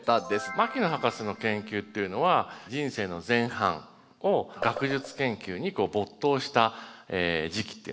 牧野博士の研究っていうのは人生の前半を学術研究に没頭した時期っていうのがあるわけですね。